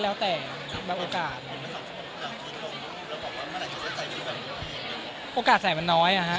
แล้วบอกว่าเมื่อถึงจะใส่ไม่ได้ใช้